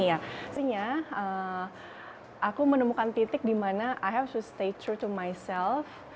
sebenarnya aku menemukan titik dimana i have to stay true to myself